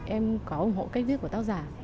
em có ủng hộ cách viết của tác giả